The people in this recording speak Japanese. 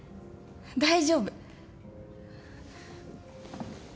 大丈夫。